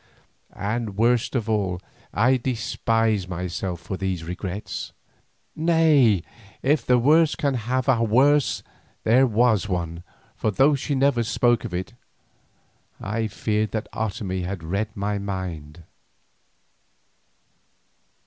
And worst of all I despised myself for these regrets. Nay, if the worst can have a worse, there was one here, for though she never spoke of it, I feared that Otomie had read my mind.